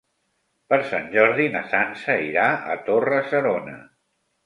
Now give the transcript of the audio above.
Per Sant Jordi na Sança irà a Torre-serona.